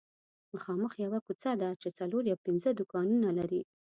مخامخ یوه کوڅه ده چې څلور یا پنځه دوکانونه لري